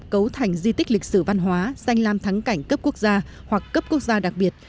cấu thành di tích lịch sử văn hóa danh lam thắng cảnh cấp quốc gia hoặc cấp quốc gia đặc biệt